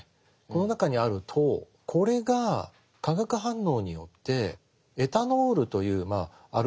この中にある糖これが化学反応によってエタノールというアルコールですね